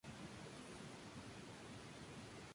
Además, sale al documental de poetas mallorquinas.